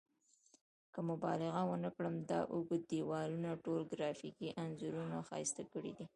که مبالغه ونه کړم دا اوږد دیوال ټول ګرافیکي انځورونو ښایسته کړی دی.